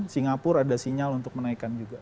singapura ada sinyal untuk menaikkan juga